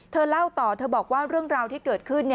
เล่าต่อเธอบอกว่าเรื่องราวที่เกิดขึ้น